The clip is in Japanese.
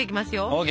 ＯＫ！